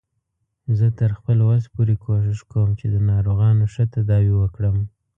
زه تر خپل وس پورې کوښښ کوم چې د ناروغانو ښه تداوی وکړم